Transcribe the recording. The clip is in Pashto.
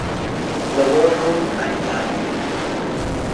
د مور نوم «آیدا» وي